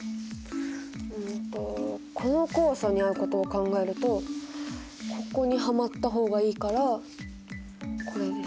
うんとこの酵素に合うことを考えるとここにはまった方がいいからこれですね。